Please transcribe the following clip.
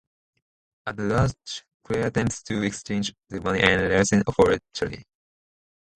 At the lodge Clair attempts to exchange the money and Larsen for Charlie.